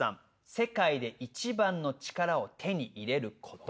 「世界で一番の力を手に入れること」